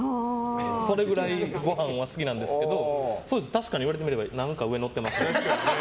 それくらいご飯は好きなんですけど確かに言われてみれば何か上にのってますね。